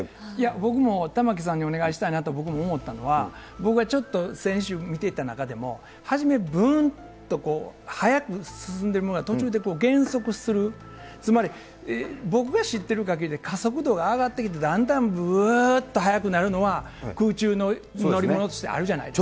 僕も玉城さんにお願いしたいなと僕も思ったのは、僕がちょっと先週見ていた中でも、初め、ぶーんとこう、速く進んでいるものが途中でこう、減速する、つまり、僕が知ってる限りで加速度が上がってきて、だんだんぶーっと速くなるのは、空中の乗り物としてあるじゃないですか。